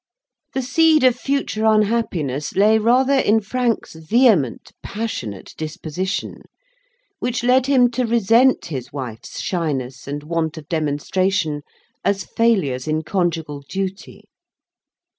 The seed of future unhappiness lay rather in Frank's vehement, passionate disposition; which led him to resent his wife's shyness and want of demonstration as failures in conjugal duty.